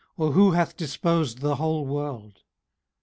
or who hath disposed the whole world?